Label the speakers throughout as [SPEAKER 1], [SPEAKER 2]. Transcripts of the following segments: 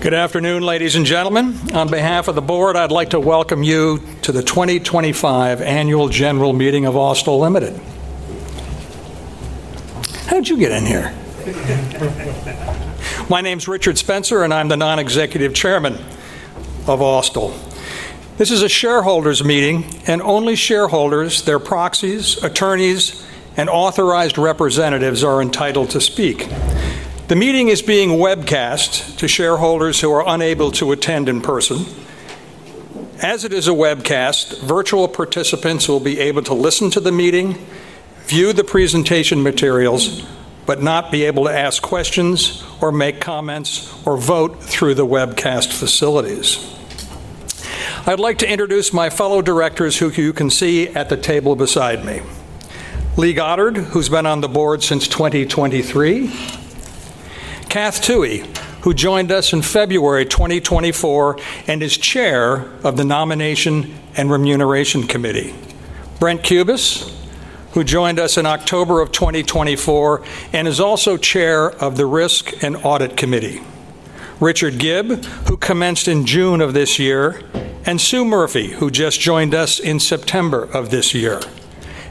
[SPEAKER 1] Good afternoon, ladies and gentlemen. On behalf of the Board, I'd like to welcome you to the 2025 Annual General Meeting of Austal Limited. My name is Richard Spencer, and I'm the Non-Executive Chairman of Austal. This is a shareholders' meeting, and only shareholders, their proxies, attorneys, and authorized representatives are entitled to speak. The meeting is being webcast to shareholders who are unable to attend in person. As it is a webcast, virtual participants will be able to listen to the meeting, view the presentation materials, but not be able to ask questions or make comments or vote through the webcast facilities. I'd like to introduce my fellow directors, who you can see at the table beside me: Lee Goddard, who's been on the Board since 2023; Kath Tui, who joined us in February 2024 and is Chair of the Nomination and Remuneration Committee; Brent Cubis, who joined us in October 2024 and is also Chair of the Risk and Audit Committee; Richard Gibb, who commenced in June of this year; and Sue Murphy, who just joined us in September of this year;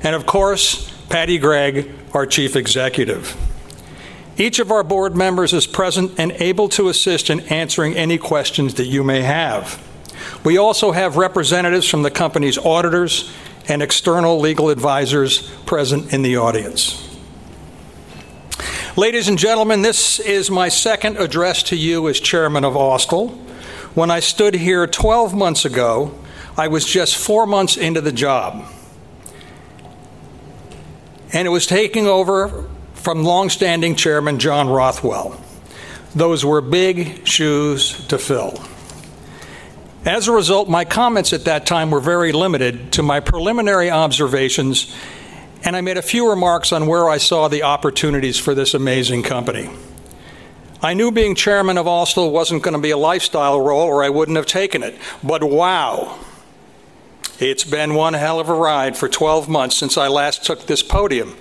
[SPEAKER 1] and, of course, Paddy Gregg, our Chief Executive. Each of our Board members is present and able to assist in answering any questions that you may have. We also have representatives from the company's auditors and external legal advisors present in the audience. Ladies and gentlemen, this is my second address to you as Chairman of Austal. When I stood here 12 months ago, I was just four months into the job, and it was taking over from longstanding Chairman John Rothwell. Those were big shoes to fill. As a result, my comments at that time were very limited to my preliminary observations, and I made a few remarks on where I saw the opportunities for this amazing company. I knew being Chairman of Austal wasn't going to be a lifestyle role, or I wouldn't have taken it. It's been one hell of a ride for 12 months since I last took this podium,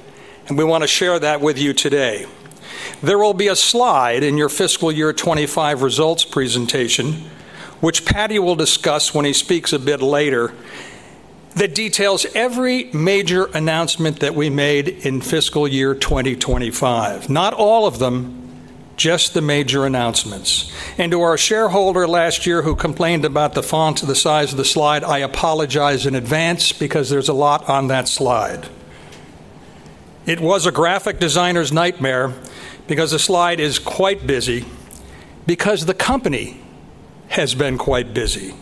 [SPEAKER 1] and we want to share that with you today. There will be a slide in your fiscal year 2025 results presentation, which Paddy will discuss when he speaks a bit later, that details every major announcement that we made in fiscal year 2025. Not all of them, just the major announcements. To our shareholder last year who complained about the font and the size of the slide, I apologize in advance because there's a lot on that slide. It was a graphic designer's nightmare because the slide is quite busy, because the company has been quite busy,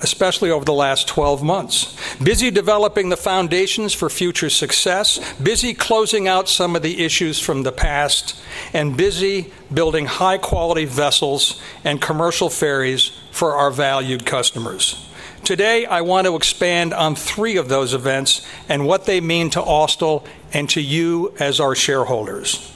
[SPEAKER 1] especially over the last 12 months. Busy developing the foundations for future success, busy closing out some of the issues from the past, and busy building high-quality vessels and commercial ferries for our valued customers. Today, I want to expand on three of those events and what they mean to Austal and to you as our shareholders.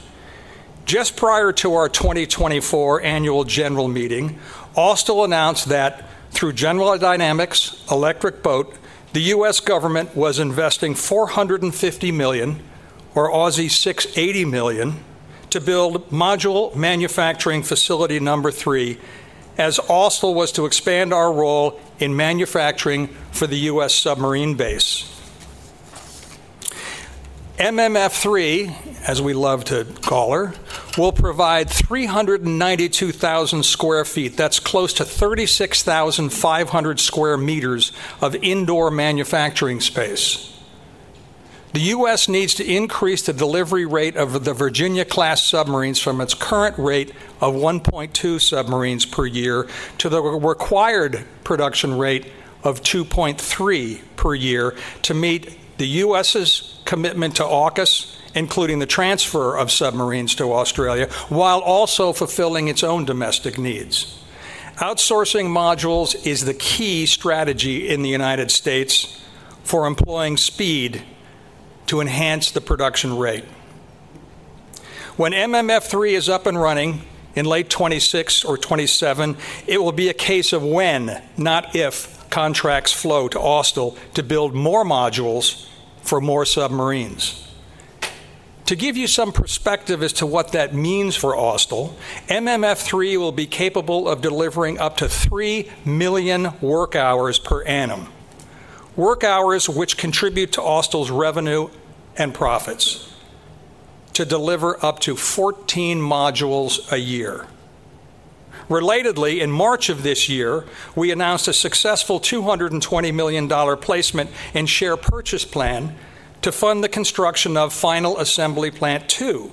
[SPEAKER 1] Just prior to our 2024 Annual General Meeting, Austal announced that through General Dynamics Electric Boat, the U.S. government was investing $450 million, or A$680 million, to build Module Manufacturing Facility No. 3, as Austal was to expand our role in manufacturing for the U.S. submarine base. MMF3, as we love to call her, will provide 392,000 square feet. That's close to 36,500 square meters of indoor manufacturing space. The U.S. needs to increase the delivery rate of the Virginia-class submarines from its current rate of 1.2 submarines per year to the required production rate of 2.3 per year to meet the U.S.'s commitment to AUKUS, including the transfer of submarines to Australia, while also fulfilling its own domestic needs. Outsourcing modules is the key strategy in the United States for employing speed to enhance the production rate. When MMF3 is up and running in late 2026 or 2027, it will be a case of when, not if, contracts flow to Austal to build more modules for more submarines. To give you some perspective as to what that means for Austal, MMF3 will be capable of delivering up to 3 million work hours per annum, work hours which contribute to Austal's revenue and profits, to deliver up to 14 modules a year. Relatedly, in March of this year, we announced a successful $220 million placement and share purchase plan to fund the construction of Final Assembly Plant 2.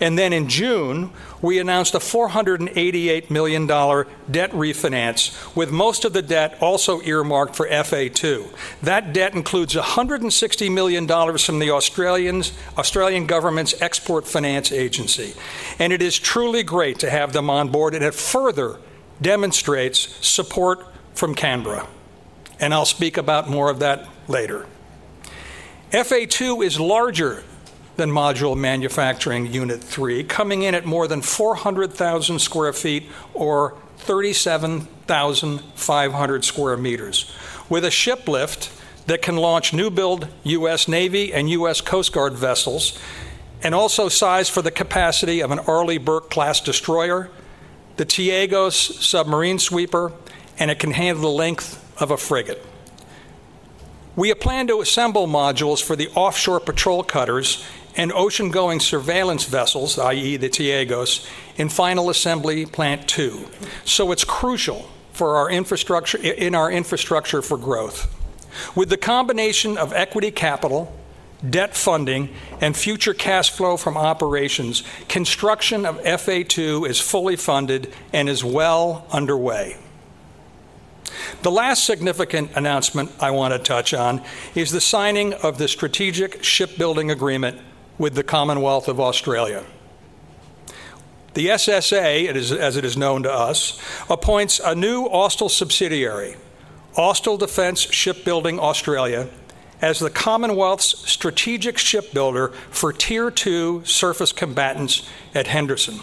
[SPEAKER 1] In June, we announced a $488 million debt refinance, with most of the debt also earmarked for FA2. That debt includes $160 million from the Australian government's Export Finance Australia, and it is truly great to have them on board. It further demonstrates support from Canberra, and I'll speak about more of that later. FA2 is larger than Module Manufacturing Facility No. 3, coming in at more than 400,000 square feet or 37,500 square meters, with a ship lift that can launch New Build U.S. Navy and U.S. Coast Guard vessels, and also size for the capacity of an Arleigh Burke-class destroyer, the Tactical Auxiliary General Ocean Surveillance vessel, and it can handle the length of a frigate. We plan to assemble modules for the offshore patrol cutters and ocean surveillance ships, i.e., the Tactical Auxiliary General Ocean Surveillance vessels, in Final Assembly Plant 2, so it's crucial for our infrastructure for growth. With the combination of equity capital, debt funding, and future cash flow from operations, construction of FA2 is fully funded and is well underway. The last significant announcement I want to touch on is the signing of the Strategic Shipbuilding Agreement with the Commonwealth of Australia. The SSA, as it is known to us, appoints a new Austal subsidiary, Austal Defence Shipbuilding Australia, as the Commonwealth's strategic shipbuilder for Tier 2 surface combatants at Henderson.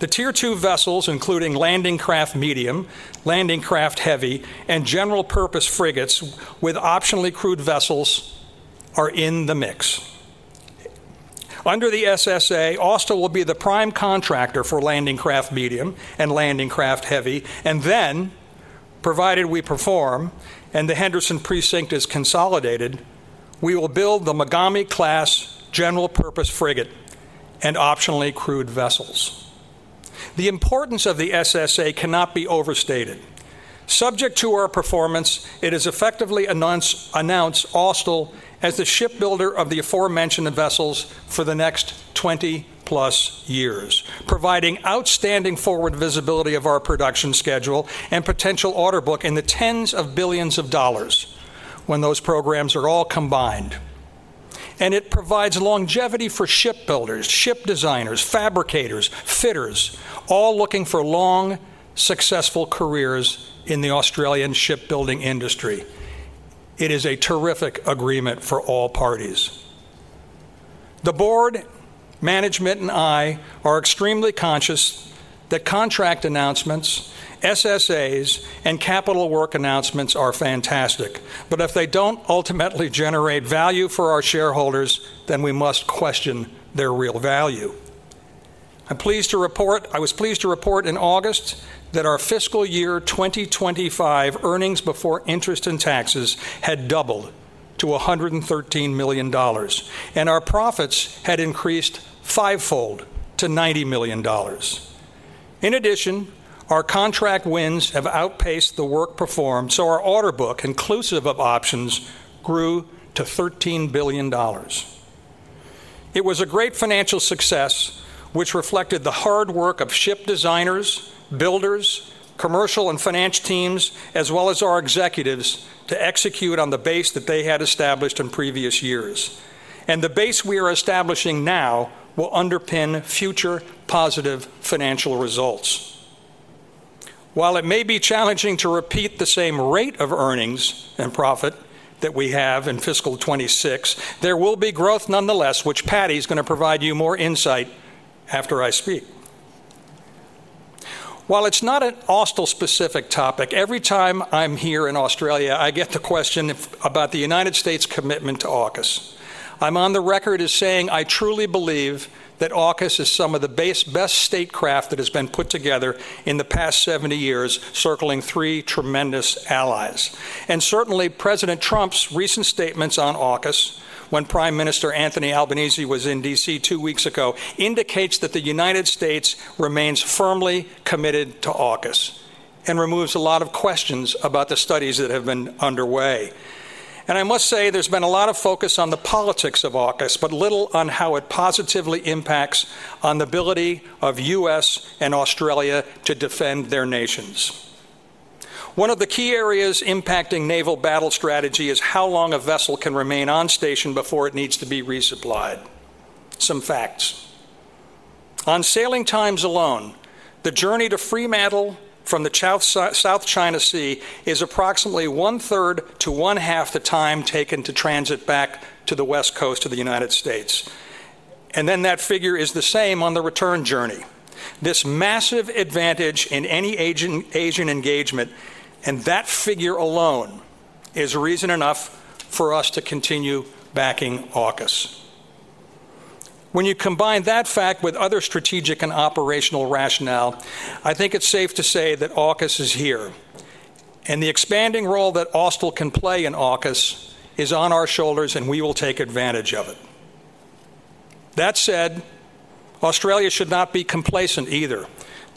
[SPEAKER 1] The Tier 2 vessels, including landing craft medium, landing craft heavy, and general-purpose frigates with optionally crewed vessels, are in the mix. Under the SSA, Austal will be the prime contractor for landing craft medium and landing craft heavy, and then, provided we perform and the Henderson Precinct is consolidated, we will build the general-purpose frigate and optionally crewed vessels. The importance of the SSA cannot be overstated. Subject to our performance, it has effectively announced Austal as the shipbuilder of the aforementioned vessels for the next 20+ years, providing outstanding forward visibility of our production schedule and potential order book in the tens of billions of dollars when those programs are all combined. It provides longevity for shipbuilders, ship designers, fabricators, fitters, all looking for long, successful careers in the Australian shipbuilding industry. It is a terrific agreement for all parties. The Board, management, and I are extremely conscious that contract announcements, SSAs, and capital work announcements are fantastic, but if they don't ultimately generate value for our shareholders, then we must question their real value. I'm pleased to report, I was pleased to report in August that our fiscal year 2025 earnings before interest and taxes had doubled to $113 million, and our profits had increased fivefold to $90 million. In addition, our contract wins have outpaced the work performed, so our order book, inclusive of options, grew to $13 billion. It was a great financial success, which reflected the hard work of ship designers, builders, commercial and finance teams, as well as our executives, to execute on the base that they had established in previous years. The base we are establishing now will underpin future positive financial results. While it may be challenging to repeat the same rate of earnings and profit that we have in fiscal 2026, there will be growth nonetheless, which Paddy is going to provide you more insight after I speak. While it's not an Austal-specific topic, every time I'm here in Australia, I get the question about the U.S. commitment to AUKUS. I'm on the record as saying I truly believe that AUKUS is some of the best statecraft that has been put together in the past 70 years, circling three tremendous allies. President Trump's recent statements on AUKUS, when Prime Minister Anthony Albanese was in D.C. two weeks ago, indicate that the U.S. remains firmly committed to AUKUS and removes a lot of questions about the studies that have been underway. I must say there's been a lot of focus on the politics of AUKUS, but little on how it positively impacts on the ability of the U.S. and Australia to defend their nations. One of the key areas impacting naval battle strategy is how long a vessel can remain on station before it needs to be resupplied. Some facts. On sailing times alone, the journey to free metal from the South China Sea is approximately one-third to one-half the time taken to transit back to the West Coast of the U.S. That figure is the same on the return journey. This massive advantage in any Asian engagement, and that figure alone, is reason enough for us to continue backing AUKUS. When you combine that fact with other strategic and operational rationale, I think it's safe to say that AUKUS is here, and the expanding role that Austal can play in AUKUS is on our shoulders, and we will take advantage of it. That said, Australia should not be complacent either.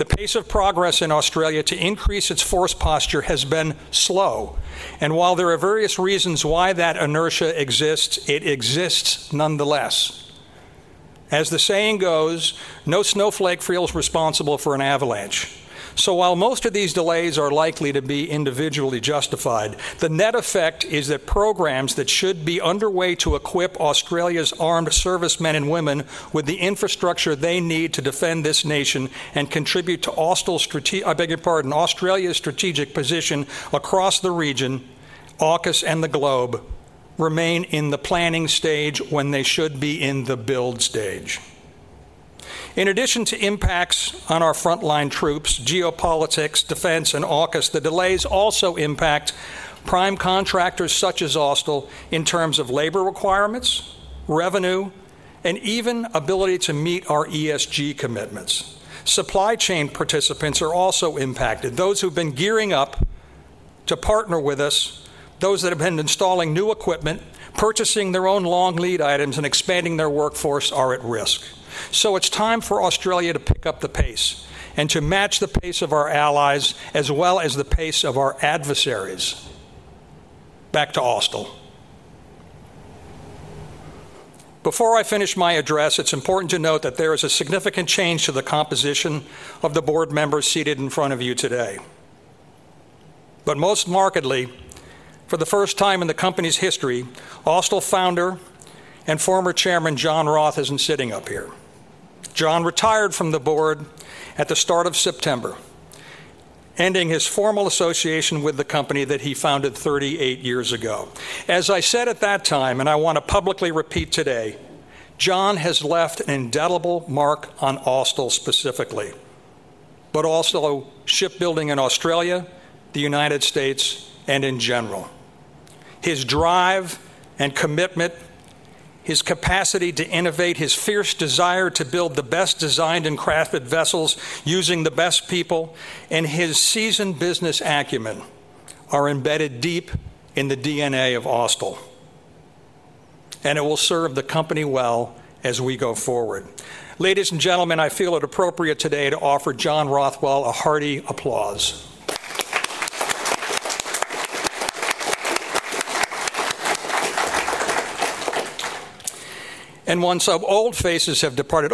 [SPEAKER 1] The pace of progress in Australia to increase its force posture has been slow, and while there are various reasons why that inertia exists, it exists nonetheless. As the saying goes, no snowflake feels responsible for an avalanche. While most of these delays are likely to be individually justified, the net effect is that programs that should be underway to equip Australia's armed servicemen and women with the infrastructure they need to defend this nation and contribute to Austal's strategic position across the region, AUKUS, and the globe remain in the planning stage when they should be in the build stage. In addition to impacts on our frontline troops, geopolitics, defense, and AUKUS, the delays also impact prime contractors such as Austal in terms of labor requirements, revenue, and even ability to meet our ESG commitments. Supply chain participants are also impacted. Those who've been gearing up to partner with us, those that have been installing new equipment, purchasing their own long lead items, and expanding their workforce are at risk. It's time for Australia to pick up the pace and to match the pace of our allies as well as the pace of our adversaries. Back to Austal. Before I finish my address, it's important to note that there is a significant change to the composition of the Board members seated in front of you today. Most markedly, for the first time in the company's history, Austal founder and former Chairman John Rothwell isn't sitting up here. John retired from the Board at the start of September, ending his formal association with the company that he founded 38 years ago. As I said at that time, and I want to publicly repeat today, John has left an indelible mark on Austal specifically, but also shipbuilding in Australia, the United States, and in general. His drive and commitment, his capacity to innovate, his fierce desire to build the best designed and crafted vessels using the best people, and his seasoned business acumen are embedded deep in the DNA of Austal, and it will serve the company well as we go forward. Ladies and gentlemen, I feel it appropriate today to offer John Rothwell a hearty applause. When some familiar faces have departed,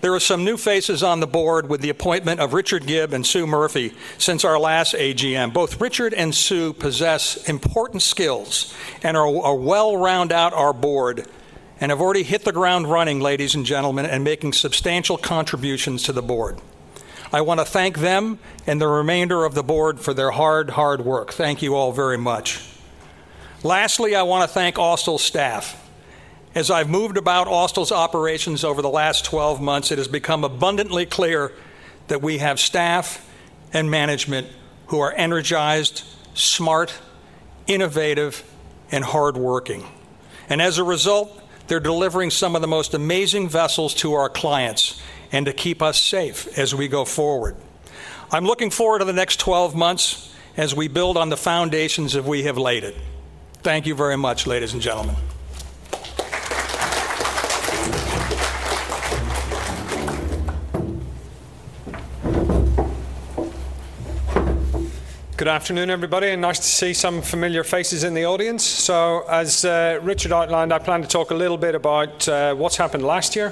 [SPEAKER 1] there are some new faces on the Board with the appointment of Richard Gibb and Sue Murphy since our last AGM. Both Richard and Sue possess important skills and well round out our Board and have already hit the ground running, ladies and gentlemen, and making substantial contributions to the Board. I want to thank them and the remainder of the Board for their hard, hard work. Thank you all very much. Lastly, I want to thank Austal's staff. As I've moved about Austal's operations over the last 12 months, it has become abundantly clear that we have staff and management who are energized, smart, innovative, and hardworking. As a result, they're delivering some of the most amazing vessels to our clients and to keep us safe as we go forward. I'm looking forward to the next 12 months as we build on the foundations that we have laid. Thank you very much, ladies and gentlemen.
[SPEAKER 2] Good afternoon, everybody, and nice to see some familiar faces in the audience. As Richard outlined, I plan to talk a little bit about what's happened last year,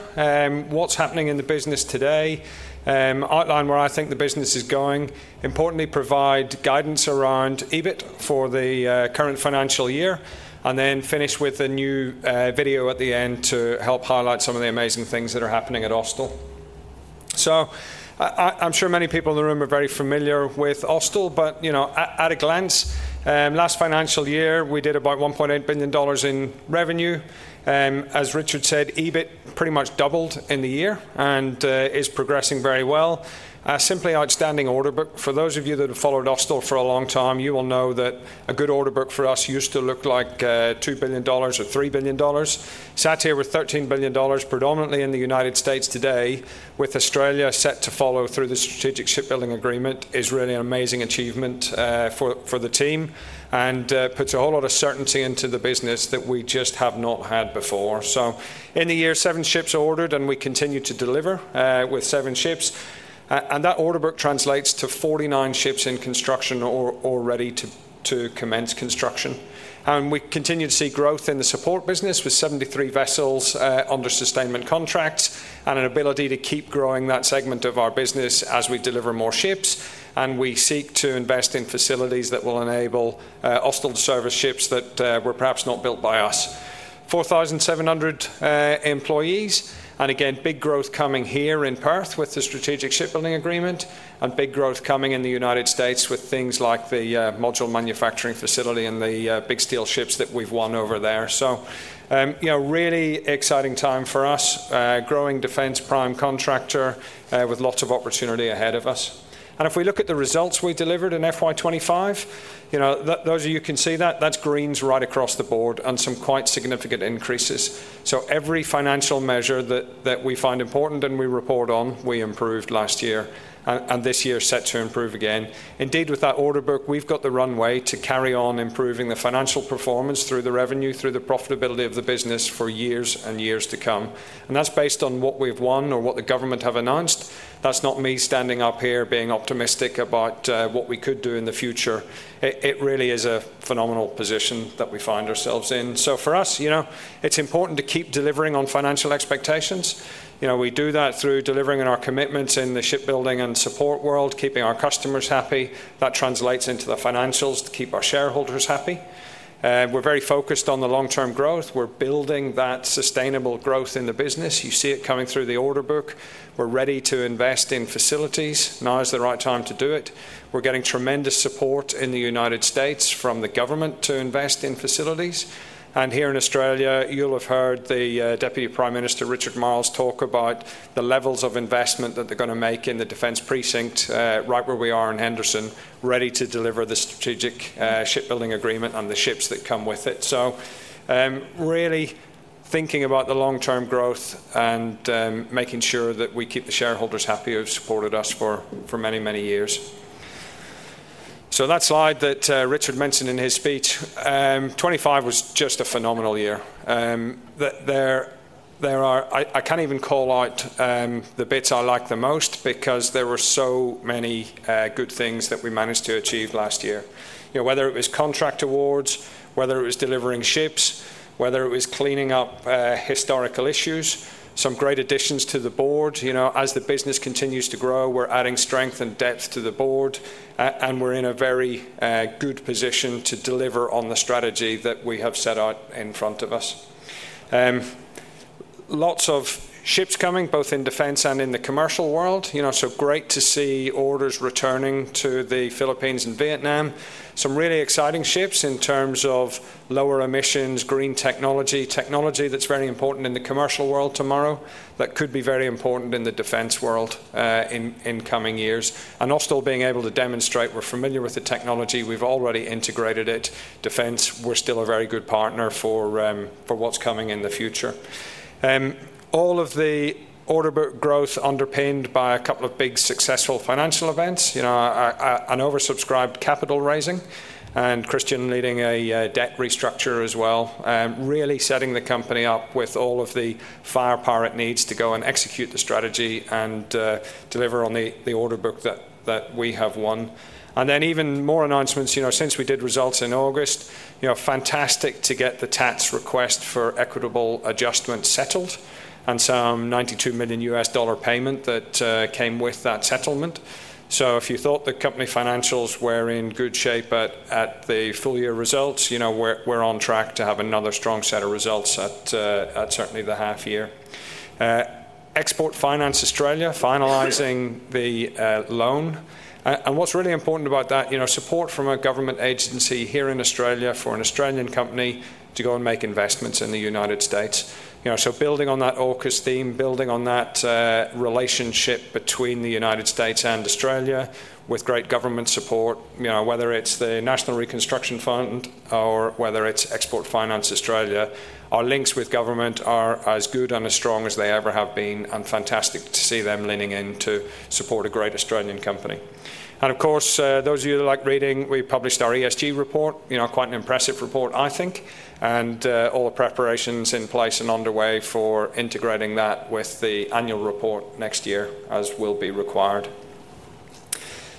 [SPEAKER 2] what's happening in the business today, outline where I think the business is going, importantly provide guidance around EBIT for the current financial year, and then finish with a new video at the end to help highlight some of the amazing things that are happening at Austal. I'm sure many people in the room are very familiar with Austal, but you know, at a glance, last financial year we did about $1.8 billion in revenue. As Richard said, EBIT pretty much doubled in the year and is progressing very well. Simply outstanding order book. For those of you that have followed Austal for a long time, you will know that a good order book for us used to look like $2 billion or $3 billion. Sat here with $13 billion, predominantly in the U.S. today, with Australia set to follow through the Strategic Shipbuilding Agreement, is really an amazing achievement for the team and puts a whole lot of certainty into the business that we just have not had before. In the year, seven ships are ordered and we continue to deliver with seven ships, and that order book translates to 49 ships in construction or ready to commence construction. We continue to see growth in the support business with 73 vessels under sustainment contracts and an ability to keep growing that segment of our business as we deliver more ships, and we seek to invest in facilities that will enable Austal to service ships that were perhaps not built by us. 4,700 employees, and again, big growth coming here in Perth with the Strategic Shipbuilding Agreement and big growth coming in the U.S. with things like the Module Manufacturing Facility and the big steel ships that we've won over there. Really exciting time for us, growing defense prime contractor with lots of opportunity ahead of us. If we look at the results we delivered in FY2025, those of you can see that, that's greens right across the board and some quite significant increases. Every financial measure that we find important and we report on, we improved last year and this year is set to improve again. Indeed, with that order book, we've got the runway to carry on improving the financial performance through the revenue, through the profitability of the business for years and years to come. That's based on what we've won or what the government have announced. That's not me standing up here being optimistic about what we could do in the future. It really is a phenomenal position that we find ourselves in. For us, it's important to keep delivering on financial expectations. We do that through delivering on our commitments in the shipbuilding and support world, keeping our customers happy. That translates into the financials to keep our shareholders happy. We're very focused on the long-term growth. We're building that sustainable growth in the business. You see it coming through the order book. We're ready to invest in facilities. Now is the right time to do it. We're getting tremendous support in the U.S. from the government to invest in facilities. Here in Australia, you'll have heard the Deputy Prime Minister Richard Marles talk about the levels of investment that they're going to make in the Defence Precinct right where we are in Henderson, ready to deliver the Strategic Shipbuilding Agreement and the ships that come with it. Really thinking about the long-term growth and making sure that we keep the shareholders happy who have supported us for many, many years. That slide that Richard mentioned in his speech, 2025 was just a phenomenal year. There are, I can't even call out the bits I like the most because there were so many good things that we managed to achieve last year. Whether it was contract awards, whether it was delivering ships, whether it was cleaning up historical issues, some great additions to the Board. As the business continues to grow, we're adding strength and depth to the Board, and we're in a very good position to deliver on the strategy that we have set out in front of us. Lots of ships coming, both in defense and in the commercial world. Great to see orders returning to the Philippines and Vietnam. Some really exciting ships in terms of lower emissions, green technology, technology that's very important in the commercial world tomorrow that could be very important in the defense world in coming years. Austal being able to demonstrate we're familiar with the technology, we've already integrated it. Defense, we're still a very good partner for what's coming in the future. All of the order book growth underpinned by a couple of big successful financial events, you know, an oversubscribed capital raising and Christian leading a debt restructure as well, really setting the company up with all of the firepower it needs to go and execute the strategy and deliver on the order book that we have won. Even more announcements, you know, since we did results in August, you know, fantastic to get the TATS request for equitable adjustments settled and some $92 million payment that came with that settlement. If you thought the company financials were in good shape at the full-year results, you know, we're on track to have another strong set of results at certainly the half year. Export Finance Australia finalizing the loan. What's really important about that, you know, support from a government agency here in Australia for an Australian company to go and make investments in the United States. Building on that AUKUS theme, building on that relationship between the United States and Australia with great government support, you know, whether it's the National Reconstruction Fund or whether it's Export Finance Australia, our links with government are as good and as strong as they ever have been, and fantastic to see them leaning in to support a great Australian company. Of course, those of you that like reading, we published our ESG report, you know, quite an impressive report, I think, and all the preparations in place and underway for integrating that with the annual report next year, as will be required.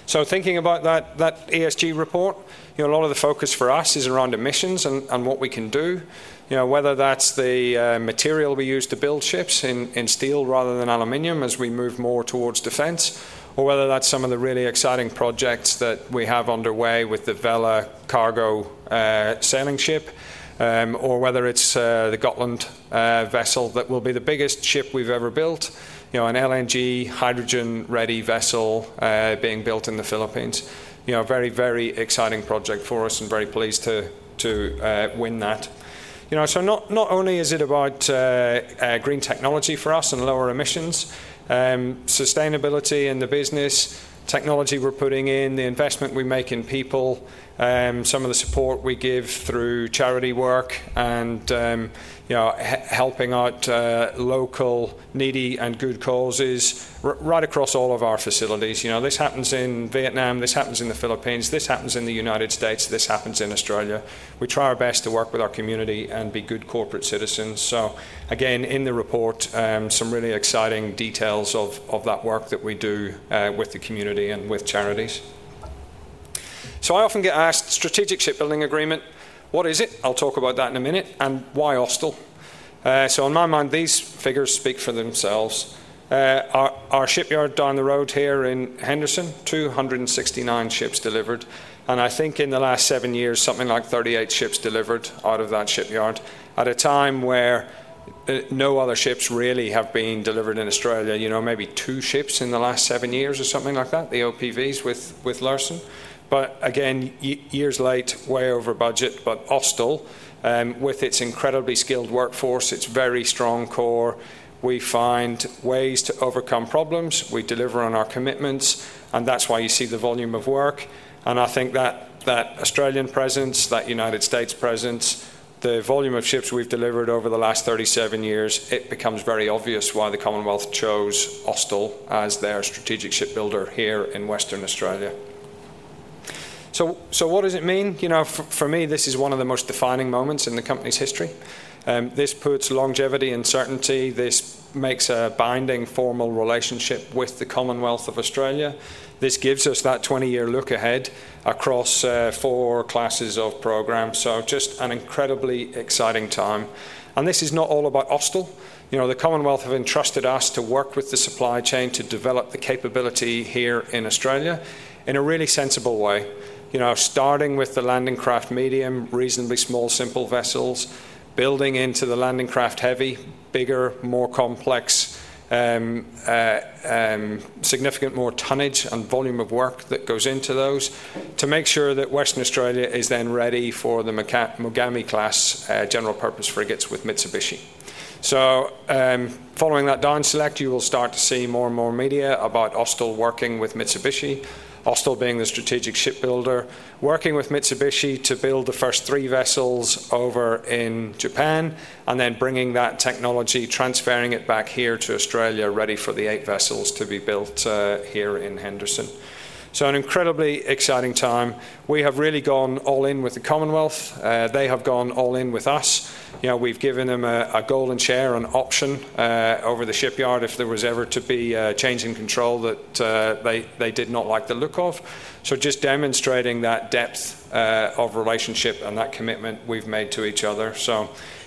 [SPEAKER 2] Thinking about that ESG report, you know, a lot of the focus for us is around emissions and what we can do. Whether that's the material we use to build ships in steel rather than aluminium as we move more towards defense, or whether that's some of the really exciting projects that we have underway with the Vela cargo sailing ship, or whether it's the Gotland vessel that will be the biggest ship we've ever built, you know, an LNG hydrogen-ready vessel being built in the Philippines. A very, very exciting project for us and very pleased to win that. Not only is it about green technology for us and lower emissions, sustainability in the business, technology we're putting in, the investment we make in people, some of the support we give through charity work, and, you know, helping out local needy and good causes right across all of our facilities. You know, this happens in Vietnam, this happens in the Philippines, this happens in the U.S., this happens in Australia. We try our best to work with our community and be good corporate citizens. Again, in the report, some really exciting details of that work that we do with the community and with charities. I often get asked, Strategic Shipbuilding Agreement, what is it? I'll talk about that in a minute, and why Austal? In my mind, these figures speak for themselves. Our shipyard down the road here in Henderson, 269 ships delivered, and I think in the last seven years, something like 38 ships delivered out of that shipyard at a time where no other ships really have been delivered in Australia. Maybe two ships in the last seven years or something like that, the OPVs with Larsen. Again, years late, way over budget, but Austal, with its incredibly skilled workforce, its very strong core, we find ways to overcome problems. We deliver on our commitments, that's why you see the volume of work. I think that Australian presence, that U.S. presence, the volume of ships we've delivered over the last 37 years, it becomes very obvious why the Commonwealth chose Austal as their strategic shipbuilder here in Western Australia. What does it mean? For me, this is one of the most defining moments in the company's history. This puts longevity and certainty. This makes a binding formal relationship with the Commonwealth of Australia. This gives us that 20-year look ahead across four classes of programs. Just an incredibly exciting time. This is not all about Austal. The Commonwealth have entrusted us to work with the supply chain to develop the capability here in Australia in a really sensible way. Starting with the landing craft medium, reasonably small simple vessels, building into the landing craft heavy, bigger, more complex, significant more tonnage and volume of work that goes into those, to make sure that Western Australia is then ready for the Mogami-class general-purpose frigates with Mitsubishi. Following that down select, you will start to see more and more media about Austal working with Mitsubishi, Austal being the strategic shipbuilder, working with Mitsubishi to build the first three vessels over in Japan, and then bringing that technology, transferring it back here to Australia, ready for the eight vessels to be built here in Henderson. An incredibly exciting time. We have really gone all in with the Commonwealth. They have gone all in with us. We've given them a golden chair, an option over the shipyard if there was ever to be a change in control that they did not like the look of, just demonstrating that depth of relationship and that commitment we've made to each other.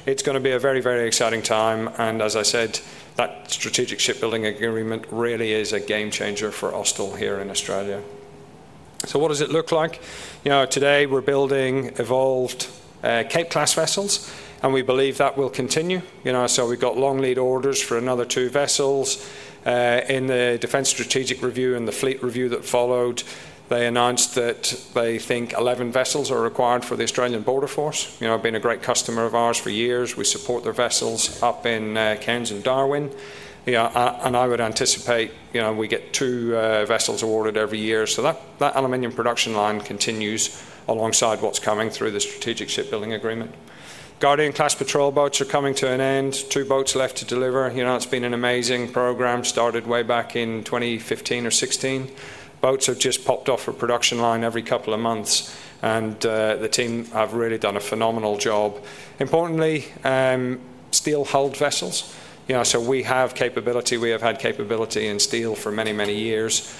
[SPEAKER 2] It's going to be a very, very exciting time, and as I said, that Strategic Shipbuilding Agreement really is a game changer for Austal here in Australia. What does it look like? Today we're building evolved Cape-class vessels, and we believe that will continue. We've got long lead orders for another two vessels. In the Defence Strategic Review and the Fleet Review that followed, they announced that they think 11 vessels are required for the Australian Border Force. They've been a great customer of ours for years. We support their vessels up in Cairns and Darwin, and I would anticipate we get two vessels awarded every year. That aluminium production line continues alongside what's coming through the Strategic Shipbuilding Agreement. Guardian-class patrol boats are coming to an end, two boats left to deliver. It's been an amazing program started way back in 2015 or 2016. Boats have just popped off a production line every couple of months, and the team have really done a phenomenal job. Importantly, steel-hulled vessels. We have capability. We have had capability in steel for many, many years.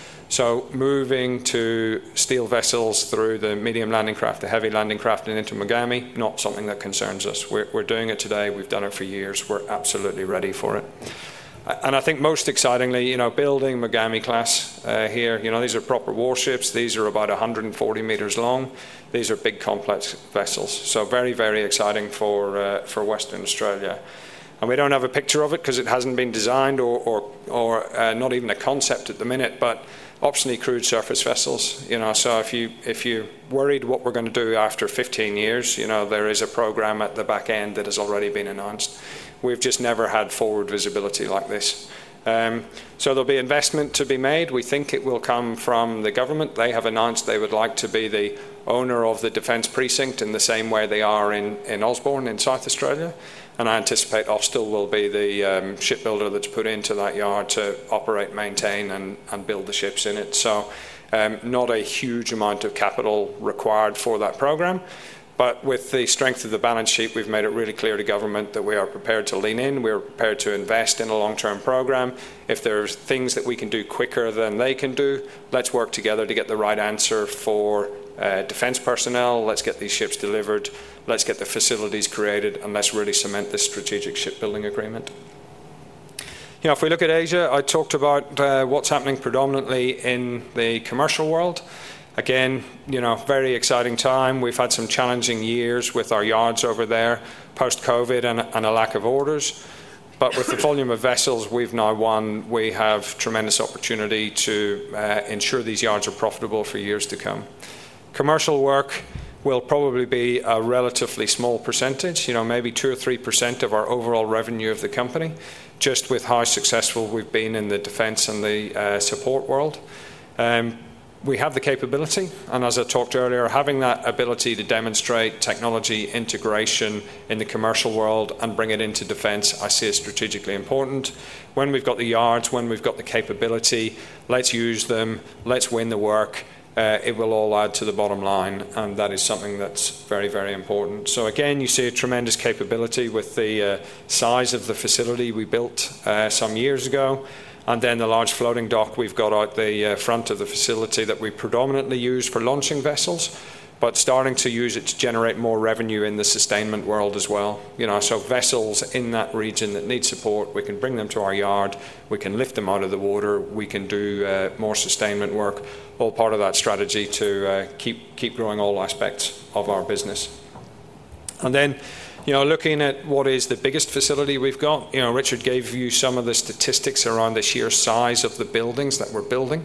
[SPEAKER 2] Moving to steel vessels through the medium landing craft, the heavy landing craft, and into Mogami, not something that concerns us. We're doing it today. We've done it for years. We're absolutely ready for it. I think most excitingly, building Mogami-class here, these are proper warships. These are about 140 meters long. These are big complex vessels. Very, very exciting for Western Australia. We don't have a picture of it because it hasn't been designed or not even a concept at the minute, but optionally crewed surface vessels. If you worried what we're going to do after 15 years, there is a program at the back end that has already been announced. We've just never had forward visibility like this. There'll be investment to be made. We think it will come from the government. They have announced they would like to be the owner of the Defence Precinct in the same way they are in Osborne in South Australia. I anticipate Austal will be the shipbuilder that's put into that yard to operate, maintain, and build the ships in it. Not a huge amount of capital required for that program, but with the strength of the balance sheet, we've made it really clear to government that we are prepared to lean in. We are prepared to invest in a long-term program. If there are things that we can do quicker than they can do, let's work together to get the right answer for defense personnel. Let's get these ships delivered. Let's get the facilities created, and let's really cement this Strategic Shipbuilding Agreement. If we look at Asia, I talked about what's happening predominantly in the commercial world. Very exciting time. We've had some challenging years with our yards over there, post-COVID and a lack of orders. With the volume of vessels we've now won, we have tremendous opportunity to ensure these yards are profitable for years to come. Commercial work will probably be a relatively small percentage, maybe 2% or 3% of our overall revenue of the company, just with how successful we've been in the defense and the support world. We have the capability, and as I talked earlier, having that ability to demonstrate technology integration in the commercial world and bring it into defense, I see it strategically important. When we've got the yards, when we've got the capability, let's use them. Let's win the work. It will all add to the bottom line, and that is something that's very, very important. You see a tremendous capability with the size of the facility we built some years ago, and then the large floating dock we've got out the front of the facility that we predominantly use for launching vessels, but starting to use it to generate more revenue in the sustainment world as well. Vessels in that region that need support, we can bring them to our yard. We can lift them out of the water. We can do more sustainment work, all part of that strategy to keep growing all aspects of our business. Looking at what is the biggest facility we've got, Richard gave you some of the statistics around the sheer size of the buildings that we're building.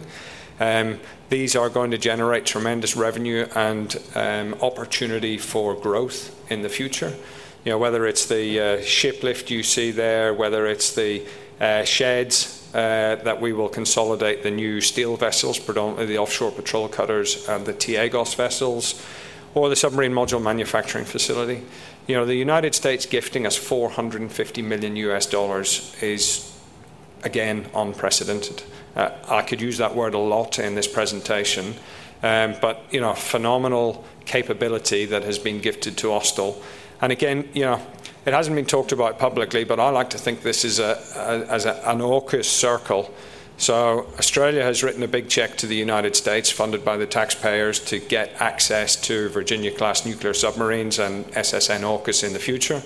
[SPEAKER 2] These are going to generate tremendous revenue and opportunity for growth in the future. Whether it's the ship lift you see there, the sheds that we will consolidate, the new steel vessels, predominantly the offshore patrol cutters and the Tactical Auxiliary General Ocean Surveillance vessels, or the submarine module manufacturing facility, the United States gifting us $450 million is, again, unprecedented. I could use that word a lot in this presentation, but a phenomenal capability has been gifted to Austal. It hasn't been talked about publicly, but I like to think this is an AUKUS circle. Australia has written a big check to the United States, funded by the taxpayers, to get access to Virginia-class nuclear submarines and SSN AUKUS in the future.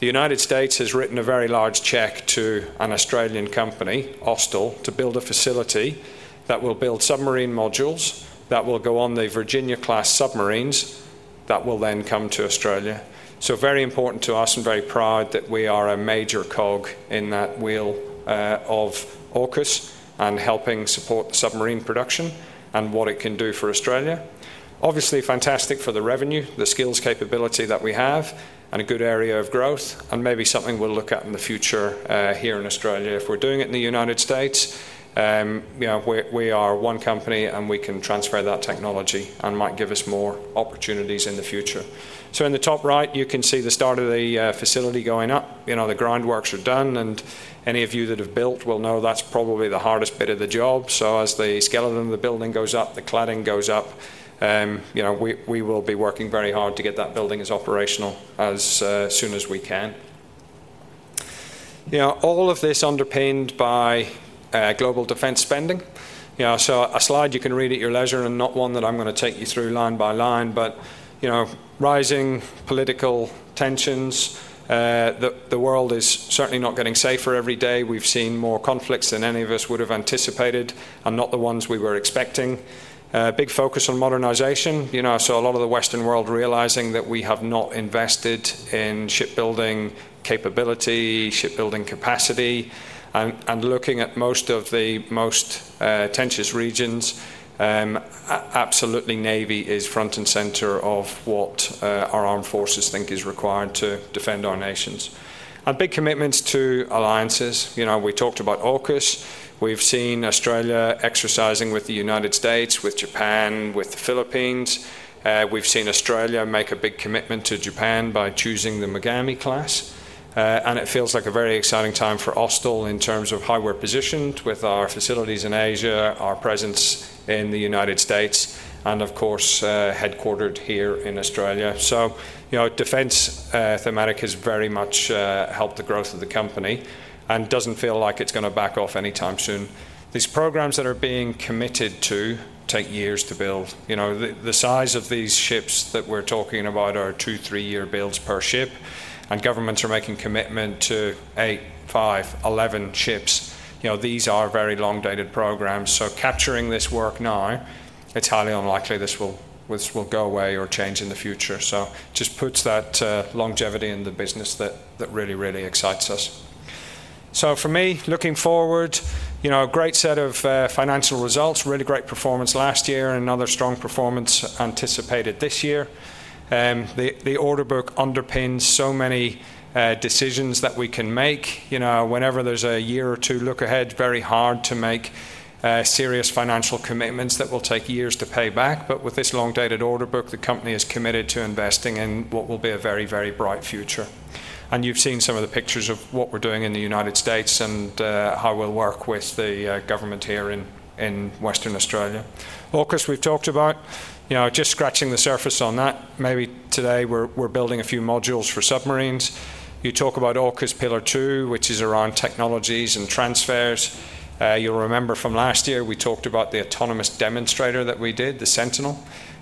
[SPEAKER 2] The United States has written a very large check to an Australian company, Austal, to build a facility that will build submarine modules that will go on the Virginia-class submarines that will then come to Australia. This is very important to us, and we are very proud that we are a major cog in that wheel of AUKUS and helping support the submarine production and what it can do for Australia. Obviously, it's fantastic for the revenue, the skills capability that we have, and a good area of growth, and maybe something we'll look at in the future here in Australia if we're doing it in the United States. We are one company, and we can transfer that technology and might give us more opportunities in the future. In the top right, you can see the start of the facility going up. The groundworks are done, and any of you that have built will know that's probably the hardest bit of the job. As the skeleton of the building goes up, the cladding goes up, we will be working very hard to get that building as operational as soon as we can. All of this is underpinned by global defense spending. This is a slide you can read at your leisure and not one that I'm going to take you through line by line, but rising political tensions, the world is certainly not getting safer every day. We've seen more conflicts than any of us would have anticipated and not the ones we were expecting. There is a big focus on modernization. A lot of the Western world is realizing that we have not invested in shipbuilding capability, shipbuilding capacity, and looking at most of the most contentious regions, absolutely Navy is front and center of what our armed forces think is required to defend our nations. There are big commitments to alliances. You know, we talked about AUKUS. We've seen Australia exercising with the United States, with Japan, with the Philippines. We've seen Australia make a big commitment to Japan by choosing the Mogami class, and it feels like a very exciting time for Austal in terms of how we're positioned with our facilities in Asia, our presence in the U.S., and of course, headquartered here in Australia. The defense thematic has very much helped the growth of the company and doesn't feel like it's going to back off anytime soon. These programs that are being committed to take years to build. The size of these ships that we're talking about are two, three-year builds per ship, and governments are making commitment to eight, five, eleven ships. These are very long-dated programs. Capturing this work now, it's highly unlikely this will go away or change in the future. It just puts that longevity in the business that really, really excites us. For me, looking forward, a great set of financial results, really great performance last year, and another strong performance anticipated this year. The order book underpins so many decisions that we can make. Whenever there's a year or two look ahead, very hard to make serious financial commitments that will take years to pay back. With this long-dated order book, the company is committed to investing in what will be a very, very bright future. You've seen some of the pictures of what we're doing in the U.S. and how we'll work with the government here in Western Australia. AUKUS we've talked about. Just scratching the surface on that, maybe today we're building a few modules for submarines. You talk about AUKUS Pillar 2, which is around technologies and transfers. You'll remember from last year, we talked about the autonomous demonstrator that we did, the Sentinel,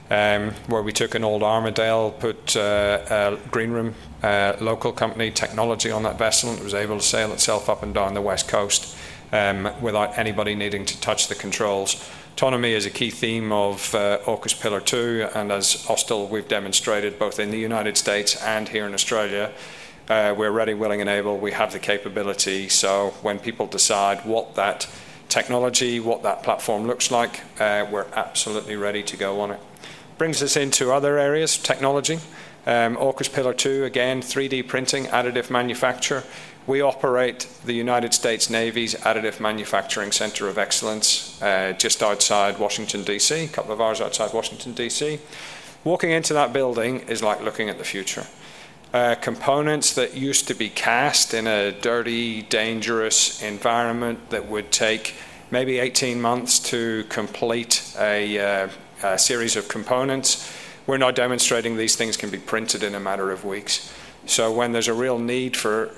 [SPEAKER 2] where we took an old Armidale, put a Greenroom local company technology on that vessel, and it was able to sail itself up and down the West Coast without anybody needing to touch the controls. Autonomy is a key theme of AUKUS Pillar 2, and as Austal, we've demonstrated both in the U.S. and here in Australia, we're ready, willing, and able. We have the capability. When people decide what that technology, what that platform looks like, we're absolutely ready to go on it. Brings us into other areas, technology. AUKUS Pillar 2, again, 3D printing, additive manufacturing. We operate the U.S. Navy's Additive Manufacturing Centre of Excellence just outside Washington, DC, a couple of hours outside Washington, DC. Walking into that building is like looking at the future. Components that used to be cast in a dirty, dangerous environment that would take maybe 18 months to complete a series of components, we're now demonstrating these things can be printed in a matter of weeks. When there's a real need for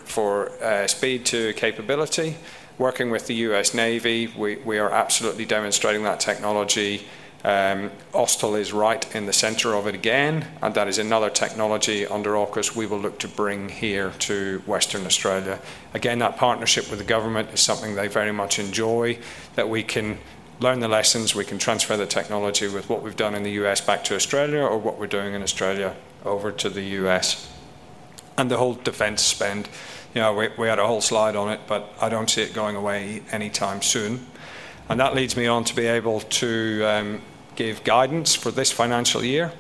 [SPEAKER 2] speed to capability, working with the U.S. Navy, we are absolutely demonstrating that technology. Austal is right in the center of it again, and that is another technology under AUKUS we will look to bring here to Western Australia. That partnership with the government is something they very much enjoy, that we can learn the lessons, we can transfer the technology with what we've done in the U.S. back to Australia or what we're doing in Australia over to the U.S. The whole defense spend, you know, we had a whole slide on it, but I don't see it going away anytime soon. That leads me on to be able to give guidance for this financial year.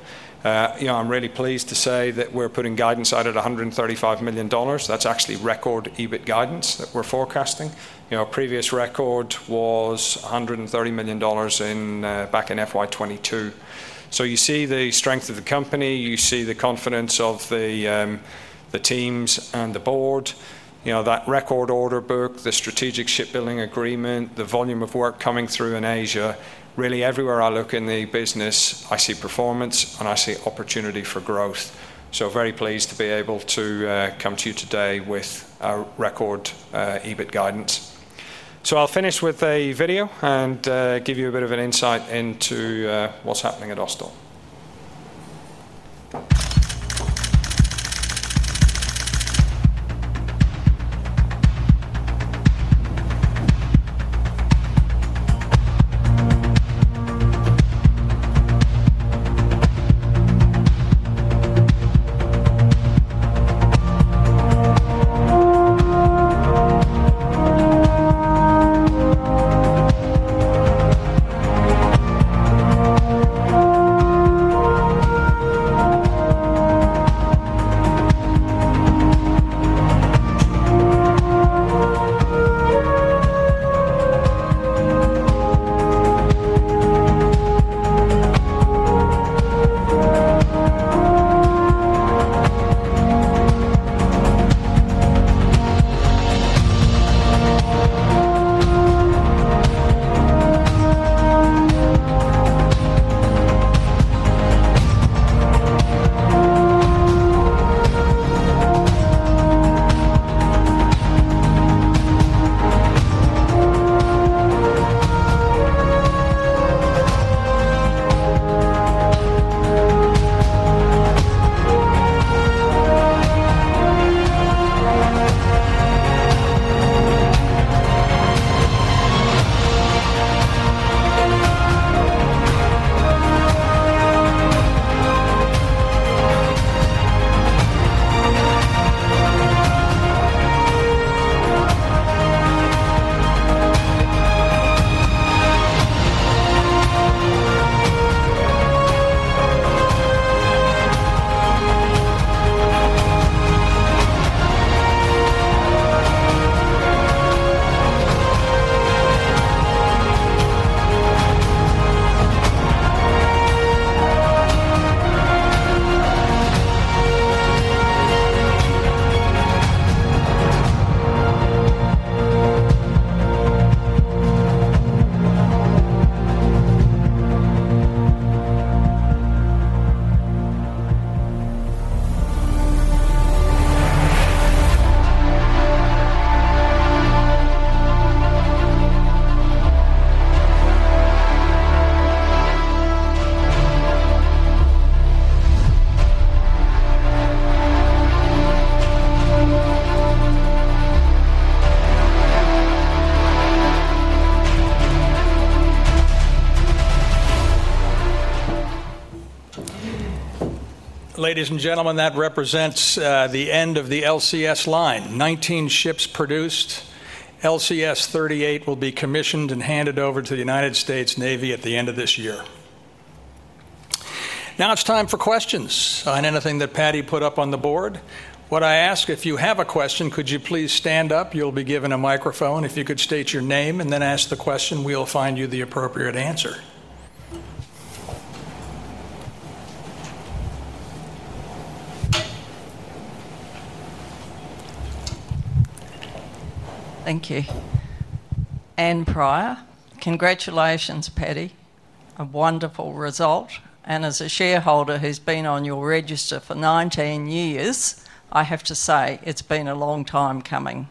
[SPEAKER 2] I'm really pleased to say that we're putting guidance out at $135 million. That's actually record EBIT guidance that we're forecasting. Previous record was $130 million back in FY2022. You see the strength of the company. You see the confidence of the teams and the Board. That record order book, the Strategic Shipbuilding Agreement, the volume of work coming through in Asia, really everywhere I look in the business, I see performance and I see opportunity for growth. Very pleased to be able to come to you today with our record EBIT guidance. I'll finish with a video and give you a bit of an insight into what's happening at Austal. Ladies and gentlemen, that represents the end of the LCS line. 19 ships produced. LCS 38 will be commissioned and handed over to the U.S. Navy at the end of this year. Now it's time for questions on anything that Paddy put up on the Board. What I ask, if you have a question, could you please stand up? You'll be given a microphone. If you could state your name and then ask the question, we'll find you the appropriate answer. Thank you. Anne Pryor. Congratulations, Paddy. A wonderful result. As a shareholder who's been on your register for 19 years, I have to say it's been a long time coming.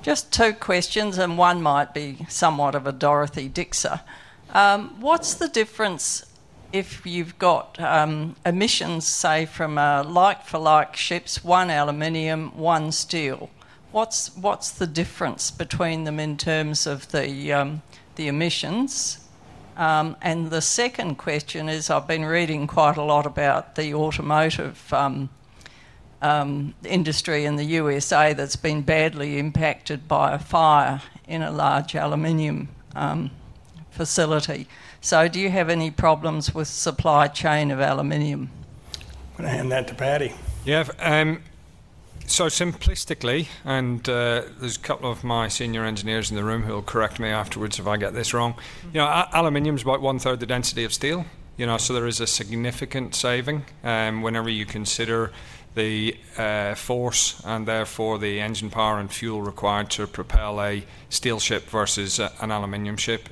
[SPEAKER 2] Just two questions, and one might be somewhat of a Dorothy Dixer. What's the difference if you've got emissions, say, from like-for-like ships, one aluminium, one steel? What's the difference between them in terms of the emissions? The second question is, I've been reading quite a lot about the automotive industry in the U.S.A. that's been badly impacted by a fire in a large aluminium facility. Do you have any problems with supply chain of aluminium?
[SPEAKER 1] I'm going to hand that to Paddy.
[SPEAKER 2] Yeah. Simplistically, and there's a couple of my Senior Engineers in the room who'll correct me afterwards if I get this wrong, you know, aluminium's about one-third the density of steel. There is a significant saving whenever you consider the force and therefore the engine power and fuel required to propel a steel ship versus an aluminium ship.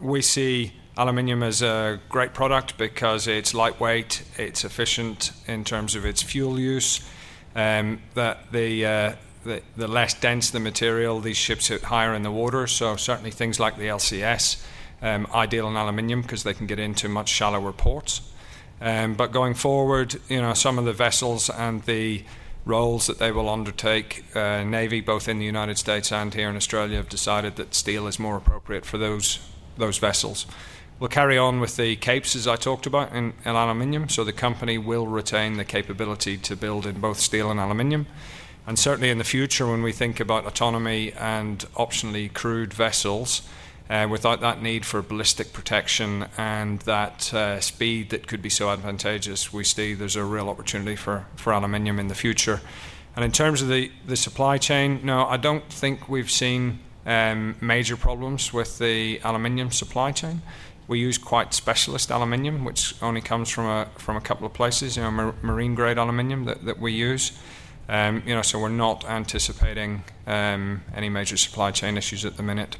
[SPEAKER 2] We see aluminium as a great product because it's lightweight, it's efficient in terms of its fuel use, and the less dense the material, these ships hit higher in the water. Certainly, things like the littoral combat ship are ideal in aluminium because they can get into much shallower ports. Going forward, some of the vessels and the roles that they will undertake, Navy, both in the U.S. and here in Australia, have decided that steel is more appropriate for those vessels. We'll carry on with the Capes, as I talked about, and aluminium. The company will retain the capability to build in both steel and aluminium. Certainly in the future, when we think about autonomy and optionally crewed vessels, without that need for ballistic protection and that speed that could be so advantageous, we see there's a real opportunity for aluminium in the future. In terms of the supply chain, no, I don't think we've seen major problems with the aluminium supply chain. We use quite specialist aluminium, which only comes from a couple of places, you know, marine-grade aluminium that we use. We're not anticipating any major supply chain issues at the minute.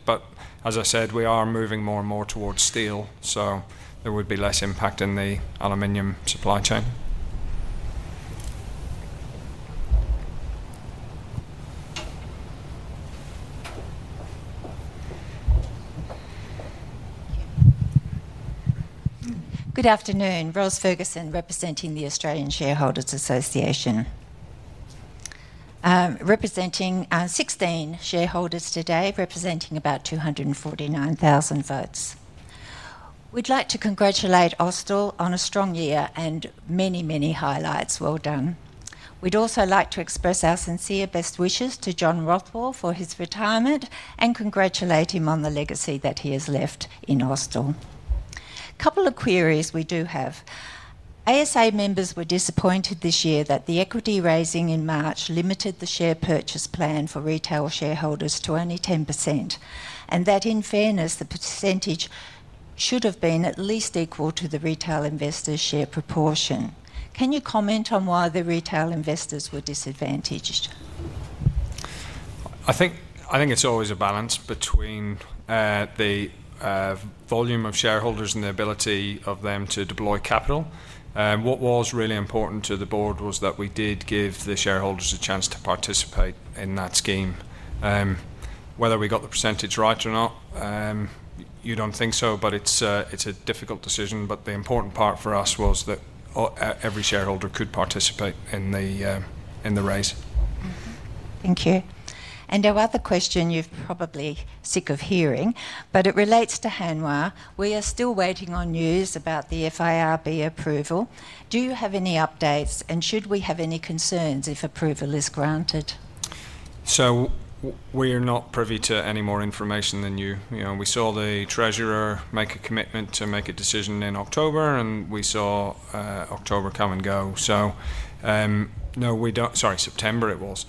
[SPEAKER 2] As I said, we are moving more and more towards steel, so there would be less impact in the aluminium supply chain.
[SPEAKER 3] Good afternoon. Rose Ferguson, representing the Australian Shareholders Association, representing 16 shareholders today, representing about 249,000 votes. We'd like to congratulate Austal on a strong year and many, many highlights. Well done. We'd also like to express our sincere best wishes to John Rothwell for his retirement and congratulate him on the legacy that he has left in Austal. A couple of queries we do have. ASA members were disappointed this year that the equity raising in March limited the share purchase plan for retail shareholders to only 10%, and that in fairness, the percentage should have been at least equal to the retail investors' share proportion. Can you comment on why the retail investors were disadvantaged?
[SPEAKER 2] I think it's always a balance between the volume of shareholders and the ability of them to deploy capital. What was really important to the Board was that we did give the shareholders a chance to participate in that scheme. Whether we got the % right or not, you don't think so, it's a difficult decision. The important part for us was that every shareholder could participate in the raise.
[SPEAKER 3] Thank you. Our other question you're probably sick of hearing, but it relates to Hanwha. We are still waiting on news about the FIRB approval. Do you have any updates and should we have any concerns if approval is granted?
[SPEAKER 2] We are not privy to any more information than you. We saw the Treasurer make a commitment to make a decision in October, and we saw October come and go. No, we don't, sorry, September it was.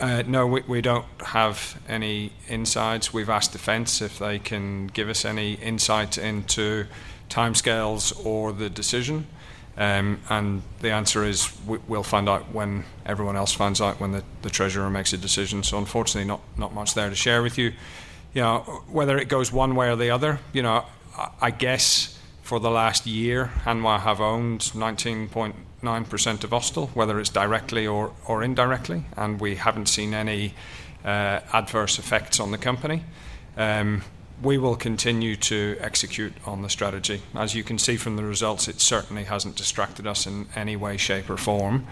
[SPEAKER 2] No, we don't have any insights. We've asked Defence if they can give us any insight into timescales or the decision, and the answer is we'll find out when everyone else finds out when the Treasurer makes a decision. Unfortunately, not much there to share with you. Whether it goes one way or the other, I guess for the last year, Hanwha have owned 19.9% of Austal, whether it's directly or indirectly, and we haven't seen any adverse effects on the company. We will continue to execute on the strategy. As you can see from the results, it certainly hasn't distracted us in any way, shape, or form,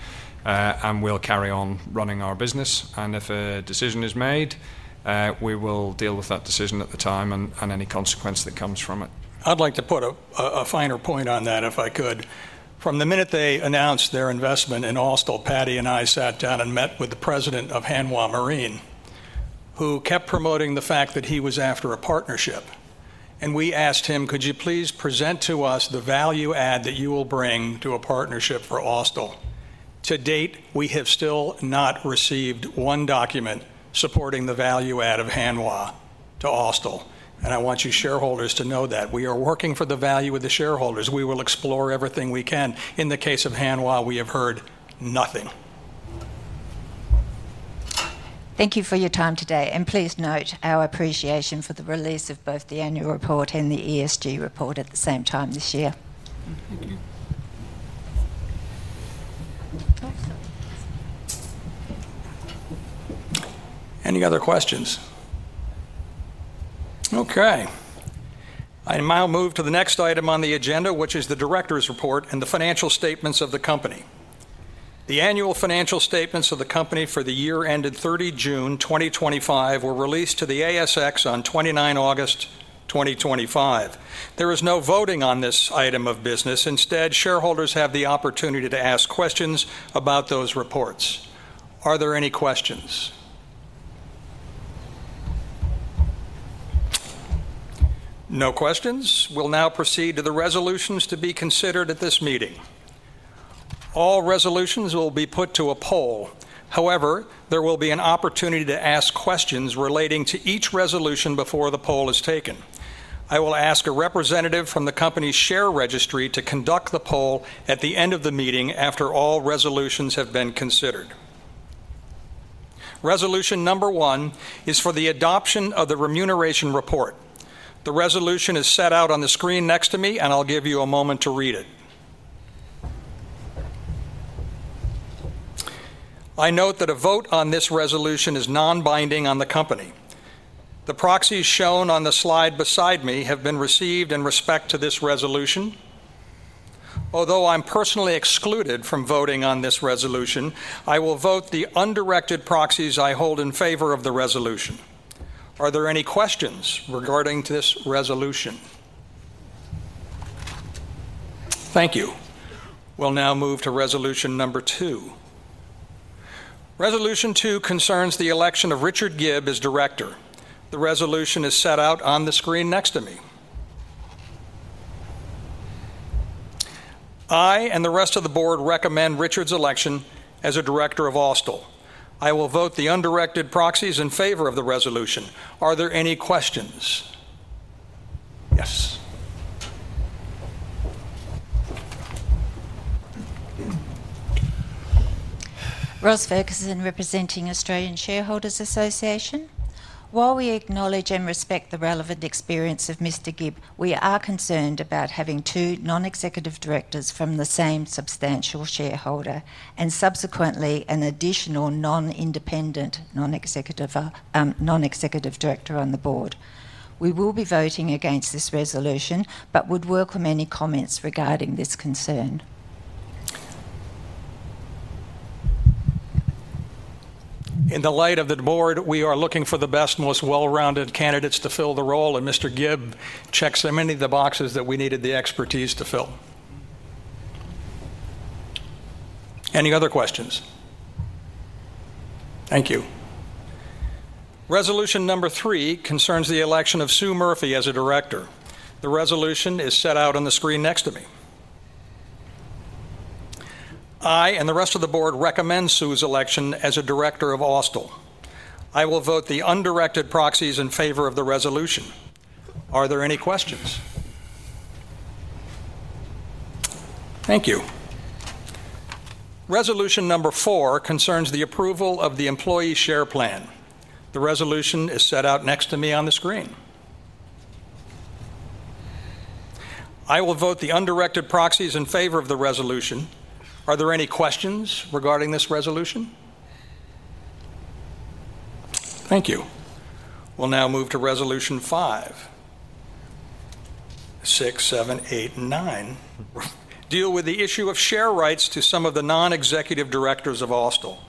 [SPEAKER 2] and we'll carry on running our business. If a decision is made, we will deal with that decision at the time and any consequence that comes from it.
[SPEAKER 1] I'd like to put a finer point on that if I could. From the minute they announced their investment in Austal, Paddy and I sat down and met with the President of Hanwha Marine, who kept promoting the fact that he was after a partnership. We asked him, could you please present to us the value add that you will bring to a partnership for Austal? To date, we have still not received one document supporting the value add of Hanwha to Austal, and I want you shareholders to know that. We are working for the value of the shareholders. We will explore everything we can. In the case of Hanwha, we have heard nothing.
[SPEAKER 3] Thank you for your time today, and please note our appreciation for the release of both the annual report and the ESG report at the same time this year.
[SPEAKER 1] Any other questions? Okay. I now move to the next item on the agenda, which is the Director's Report and the Financial Statements of the Company. The annual financial statements of the Company for the year ended 30 June 2025, were released to the ASX on 29 August 2025. There is no voting on this item of business. Instead, shareholders have the opportunity to ask questions about those reports. Are there any questions? No questions? We'll now proceed to the resolutions to be considered at this meeting. All resolutions will be put to a poll. However, there will be an opportunity to ask questions relating to each resolution before the poll is taken. I will ask a representative from the Company's share registry to conduct the poll at the end of the meeting after all resolutions have been considered. Resolution number one is for the adoption of the remuneration report. The resolution is set out on the screen next to me, and I'll give you a moment to read it. I note that a vote on this resolution is non-binding on the Company. The proxies shown on the slide beside me have been received in respect to this resolution. Although I'm personally excluded from voting on this resolution, I will vote the undirected proxies I hold in favor of the resolution. Are there any questions regarding this resolution? Thank you. We'll now move to Resolution number two. Resolution two concerns the election of Richard Gibb as Director. The resolution is set out on the screen next to me. I and the rest of the Board recommend Richard's election as a Director of Austal. I will vote the undirected proxies in favor of the resolution. Are there any questions? Yes.
[SPEAKER 3] While we acknowledge and respect the relevant experience of Mr. Gibb, we are concerned about having two non-executive directors from the same substantial shareholder and subsequently an additional non-independent non-executive director on the Board. We will be voting against this resolution, but would welcome any comments regarding this concern.
[SPEAKER 1] In the light of the Board, we are looking for the best, most well-rounded candidates to fill the role, and Mr. Gibb checks so many of the boxes that we needed the expertise to fill. Any other questions? Thank you. Resolution number three concerns the election of Sue Murphy as a Director. The resolution is set out on the screen next to me. I and the rest of the Board recommend Sue's election as a Director of Austal Limited. I will vote the undirected proxies in favor of the resolution. Are there any questions? Thank you. Resolution number four concerns the approval of the Employee Share Plan. The resolution is set out next to me on the screen. I will vote the undirected proxies in favor of the resolution. Are there any questions regarding this resolution? Thank you. We'll now move to resolution five, six, seven, eight, nine. Deal with the issue of share rights to some of the non-executive directors of Austal Limited.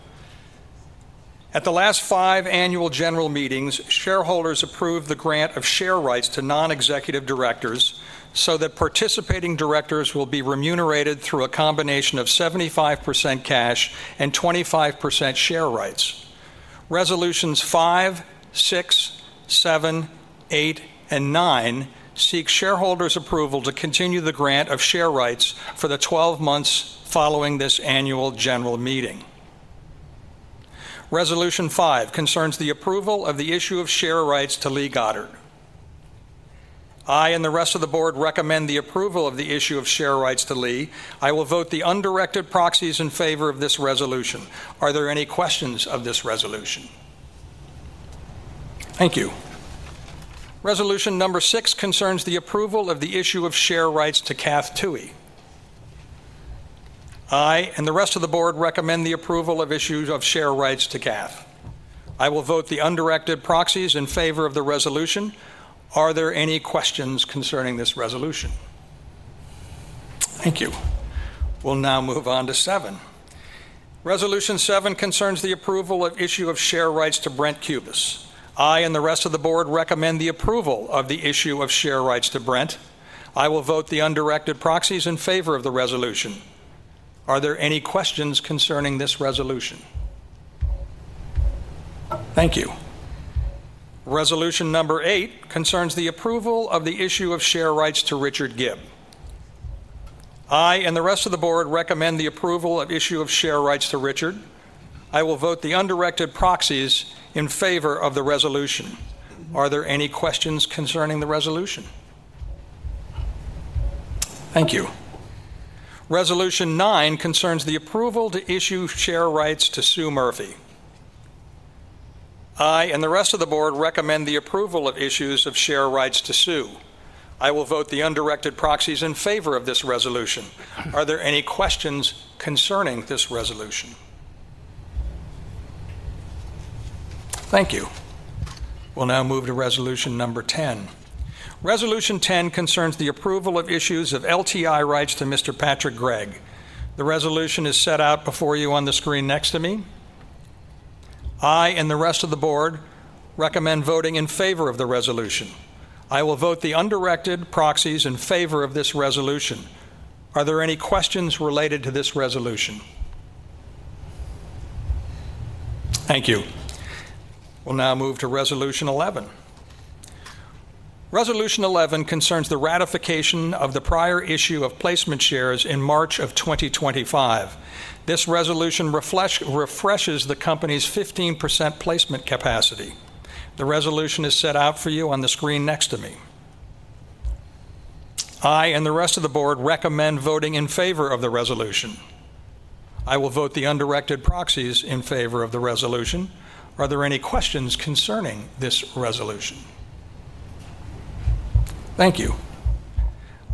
[SPEAKER 1] At the last five annual general meetings, shareholders approved the grant of share rights to non-executive directors so that participating directors will be remunerated through a combination of 75% cash and 25% share rights. Resolutions five, six, seven, eight, and nine seek shareholders' approval to continue the grant of share rights for the 12 months following this annual general meeting. Resolution five concerns the approval of the issue of share rights to Lee Goddard. I and the rest of the Board recommend the approval of the issue of share rights to Lee. I will vote the undirected proxies in favor of this resolution. Are there any questions of this resolution? Thank you. Resolution number six concerns the approval of the issue of share rights to Kath Tui. I and the rest of the Board recommend the approval of issues of share rights to Kath. I will vote the undirected proxies in favor of the resolution. Are there any questions concerning this resolution? Thank you. We'll now move on to seven. Resolution seven concerns the approval of the issue of share rights to Brent Cubis. I and the rest of the Board recommend the approval of the issue of share rights to Brent. I will vote the undirected proxies in favor of the resolution. Are there any questions concerning this resolution? Thank you. Resolution number eight concerns the approval of the issue of share rights to Richard Gibb. I and the rest of the Board recommend the approval of the issue of share rights to Richard. I will vote the undirected proxies in favor of the resolution. Are there any questions concerning the resolution? Thank you. Resolution nine concerns the approval to issue share rights to Sue Murphy. I and the rest of the Board recommend the approval of issues of share rights to Sue. I will vote the undirected proxies in favor of this resolution. Are there any questions concerning this resolution? Thank you. We'll now move to Resolution number ten. Resolution ten concerns the approval of issues of LTI rights to Mr. Paddy Gregg. The resolution is set out before you on the screen next to me. I and the rest of the Board recommend voting in favor of the resolution. I will vote the undirected proxies in favor of this resolution. Are there any questions related to this resolution? Thank you. We'll now move to Resolution 11. Resolution 11 concerns the ratification of the prior issue of placement shares in March of 2025. This resolution refreshes the Company's 15% placement capacity. The resolution is set out for you on the screen next to me. I and the rest of the Board recommend voting in favor of the resolution. I will vote the undirected proxies in favor of the resolution. Are there any questions concerning this resolution? Thank you.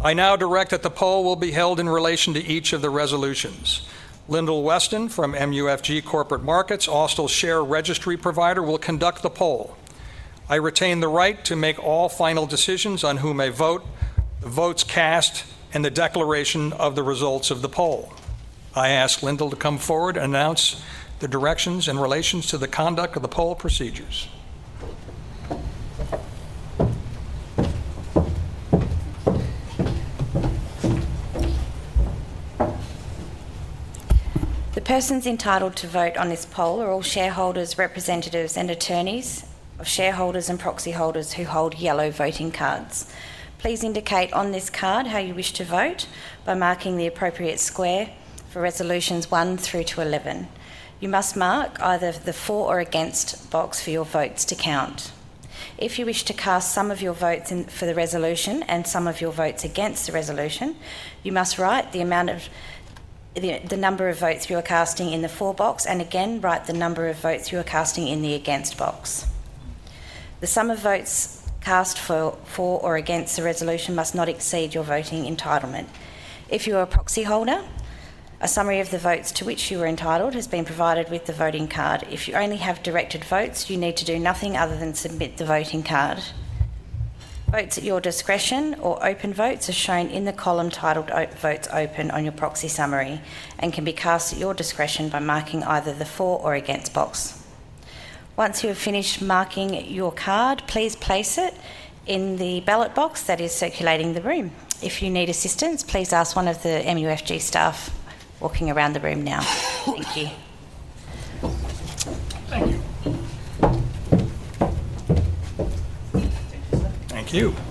[SPEAKER 1] I now direct that the poll will be held in relation to each of the resolutions. Lyndall Weston from MUFG Corporate Markets, Austal's share registry provider, will conduct the poll. I retain the right to make all final decisions on who may vote, the votes cast, and the declaration of the results of the poll. I ask Lyndall to come forward and announce the directions in relation to the conduct of the poll procedures.
[SPEAKER 3] The persons entitled to vote on this poll are all shareholders, representatives, and attorneys of shareholders and proxy holders who hold yellow voting cards. Please indicate on this card how you wish to vote by marking the appropriate square for resolutions one through to 11. You must mark either the for or against box for your votes to count. If you wish to cast some of your votes for the resolution and some of your votes against the resolution, you must write the number of votes you are casting in the for box and again write the number of votes you are casting in the against box. The sum of votes cast for or against the resolution must not exceed your voting entitlement. If you are a proxy holder, a summary of the votes to which you are entitled has been provided with the voting card. If you only have directed votes, you need to do nothing other than submit the voting card. Votes at your discretion or open votes are shown in the column titled Votes Open on your proxy summary and can be cast at your discretion by marking either the for or against box. Once you have finished marking your card, please place it in the ballot box that is circulating the room. If you need assistance, please ask one of the MUFG staff walking around the room now. Thank you. Thank you.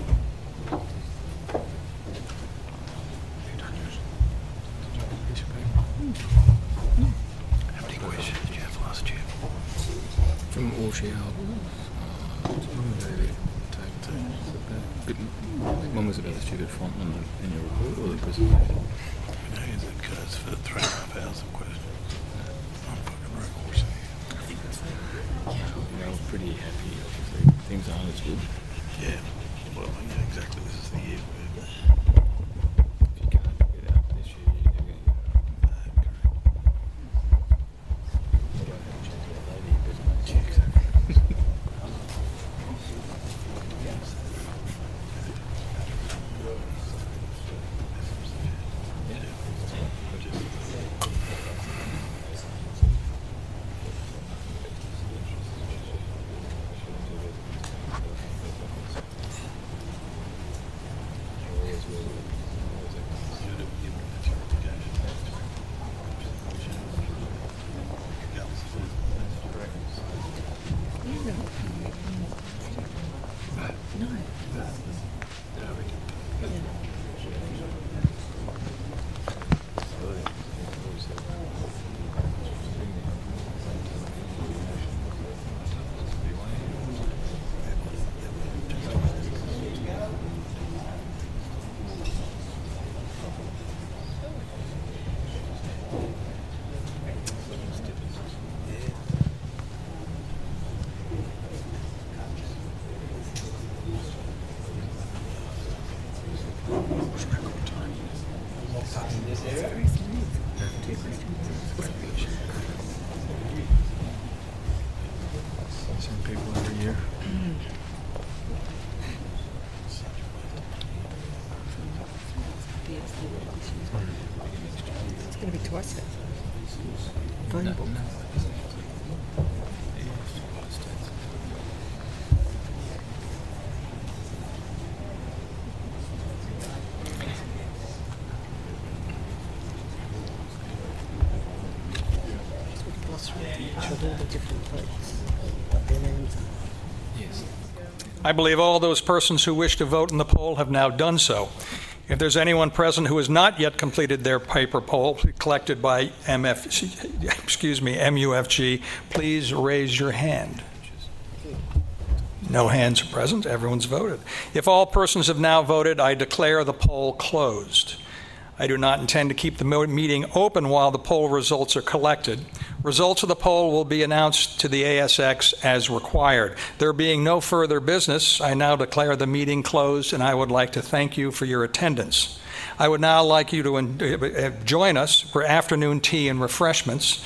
[SPEAKER 3] Results of the poll will be announced to the ASX as required. There being no further business, I now declare the meeting closed, and I would like to thank you for your attendance. I would now like you to join us for afternoon tea and refreshments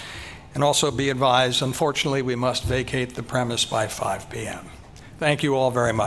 [SPEAKER 3] and also be advised, unfortunately, we must vacate the premise by 5:00 P.M. Thank you all very much.